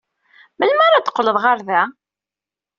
Melmi ara d-teqqled ɣer da?